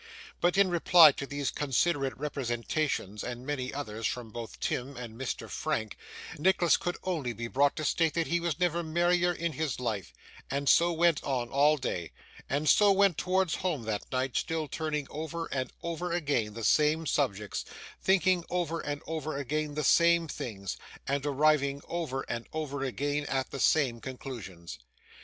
But in reply to these considerate representations, and many others both from Tim and Mr. Frank, Nicholas could only be brought to state that he was never merrier in his life; and so went on all day, and so went towards home at night, still turning over and over again the same subjects, thinking over and over again the same things, and arriving over and over again at the same conclusions.